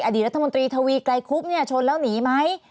อดีตรัฐมนตรีทวีไกรคุบชนแล้วหนีไหม